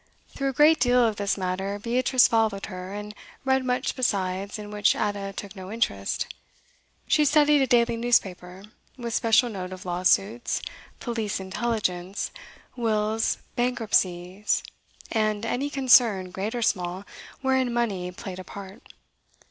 Through a great deal of this matter Beatrice followed her, and read much besides in which Ada took no interest; she studied a daily newspaper, with special note of law suits, police intelligence, wills, bankruptcies, and any concern, great or small, wherein money played a part.